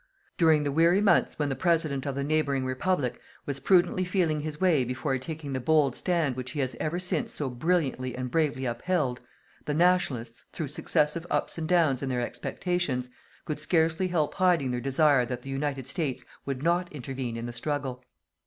During the weary months when the President of the neighbouring Republic was prudently feeling his way before taking the bold stand which he has ever since so brilliantly and bravely upheld, the "Nationalists", through successive ups and downs in their expectations, could scarcely help hiding their desire that the United States would not intervene in the struggle.